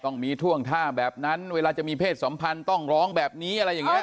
ต้องมีท่วงท่าแบบนั้นเวลาจะมีเพศสัมพันธ์ต้องร้องแบบนี้อะไรอย่างนี้